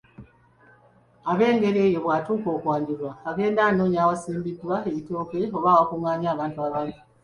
Ab’engeri eyo bw’atuuka okwanjulwa, agenda anoonya awasimbiddwa ebitooke oba awakunganye abantu abangi !